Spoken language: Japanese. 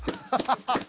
ハハハッ！